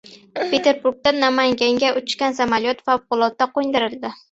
Peterburgdan Namanganga uchgan samolyot favqulodda qo‘ndirildi